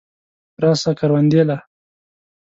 راسه کروندې له.